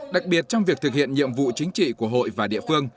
đặc biệt trong việc thực hiện nhiệm vụ chính trị của hội và địa phương